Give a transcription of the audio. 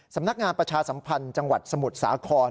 สำนักงานประชาสัมพันธ์จังหวัดสมุทรสาคร